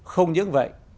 không những vậy